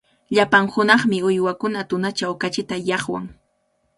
Llapan hunaqmi uywakuna tunachaw kachita llaqwan.